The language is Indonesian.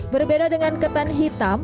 berbeda dengan ketan hitam